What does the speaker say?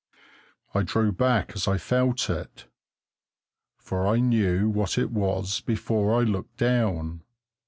I drew back as I felt it, for I knew what it was before I looked down.